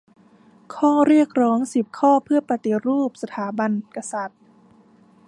ข้อเรียกร้องสิบข้อเพื่อปฏิรูปสถาบันกษัตริย์